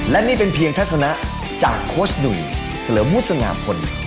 และนี่เป็นเพียงทัศนะจากโค้ชหนุ่ยเฉลิมวุษงาพล